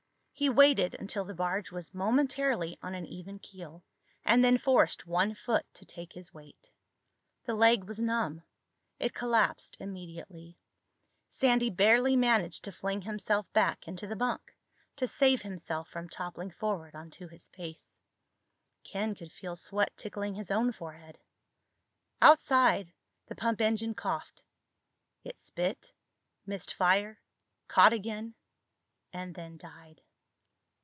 He waited until the barge was momentarily on an even keel and then forced one foot to take his weight. The leg was numb. It collapsed immediately. Sandy barely managed to fling himself back into the bunk, to save himself from toppling forward onto his face. Ken could feel sweat tickling his own forehead. Outside, the pumping engine coughed. It spit, missed fire, caught again, and then died.